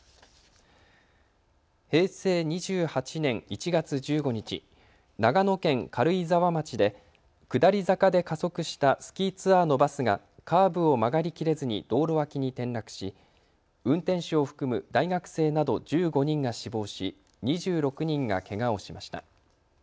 平成２８年１月１５日、長野県軽井沢町で下り坂で加速したスキーツアーのバスがカーブを曲がりきれずに道路脇に転落し運転手を含む大学生など１５人が死亡し、２６人がけがをしました。